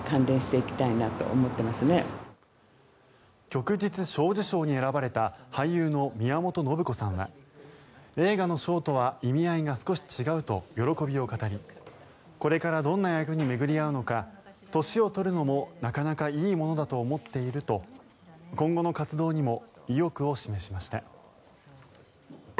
旭日小綬章に選ばれた俳優の宮本信子さんは映画の賞とは意味合いが少し違うと喜びを語りこれからどんな役に巡り合うのか年を取るのもなかなかいいものだと思っていると今後の活動にも意欲を示しました。